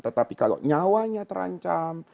tetapi kalau nyawanya terancam